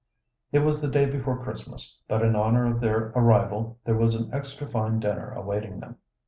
It was the day before Christmas, but in honor of their arrival there was an extra fine dinner awaiting them.